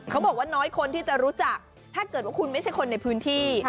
บอกว่าน้อยคนที่จะรู้จักถ้าเกิดว่าคุณไม่ใช่คนในพื้นที่